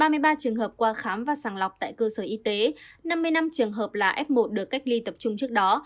trường hợp qua khám và sàng lọc tại cơ sở y tế năm mươi năm trường hợp là f một được cách ly tập trung trước đó